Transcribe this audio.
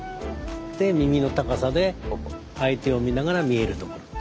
で耳の高さで相手を見ながら見えるところ。